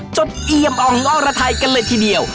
จดเอียบอ้องอ้อระไทยกันเลยทีเดียว